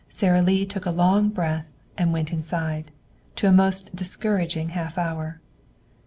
Sara Lee took a long breath and went inside, to a most discouraging half hour.